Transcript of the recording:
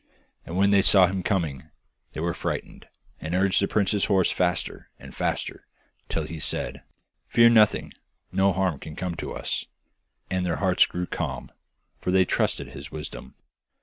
And when they saw him coming they were frightened, and urged the prince's horse faster and faster, till he said, 'Fear nothing; no harm can happen to us,' and their hearts grew calm, for they trusted his wisdom.